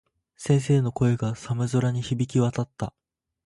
先生の声が、寒空に響き渡った。